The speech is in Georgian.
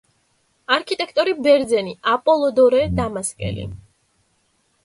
არქიტექტორი ბერძენი აპოლოდორე დამასკელი.